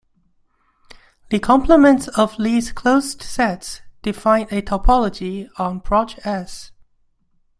The complements of these closed sets define a topology on Proj "S".